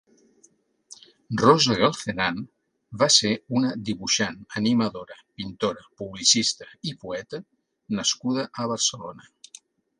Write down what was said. Rosa Galcerán va ser una dibuixant, animadora, pintora, publicista i poeta nascuda a Barcelona.